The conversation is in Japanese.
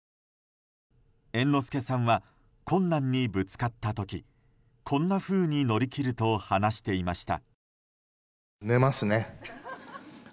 猿之助さんは困難にぶつかった時こんなふうに乗り切ると話していました。